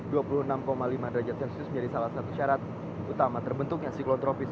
dua puluh enam lima derajat celcius menjadi salah satu syarat utama terbentuknya siklon tropis